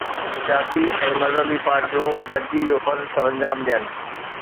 سياسي ۽ مذهبي پارٽيون گڏجي اهو فرض سرانجام ڏين.